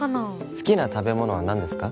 「好きな食べ物は何ですか？」